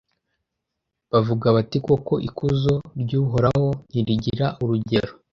bavuga bati koko ikuzo ry'uhoraho ntirigira urugero